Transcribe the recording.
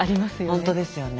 本当ですよね。